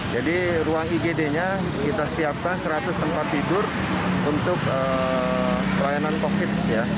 jadi ruang igd nya kita siapkan seratus tempat tidur untuk pelayanan covid